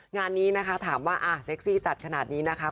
งานนี้นะคะถามว่าเซ็กซี่จัดขนาดนี้นะคะ